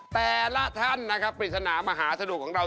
แต่ละท่านนะครับปริศนามหาสนุกของเรา